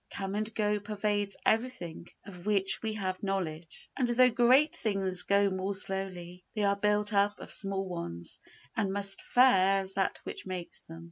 Come and go pervades everything of which we have knowledge, and though great things go more slowly, they are built up of small ones and must fare as that which makes them.